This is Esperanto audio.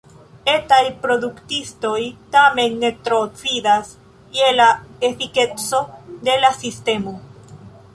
Etaj produktistoj tamen ne tro fidas je la efikeco de la sistemo.